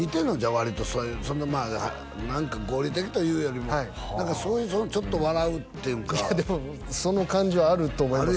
割と何か合理的というよりもそういうちょっと笑うっていうんかでもその感じはあると思います